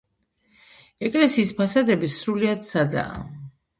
ეკლესიის ფასადები სრულიად სადაა.